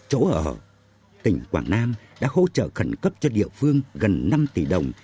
chỗ ở tỉnh quảng nam đã hỗ trợ khẩn cấp cho địa phương gần năm tỷ đồng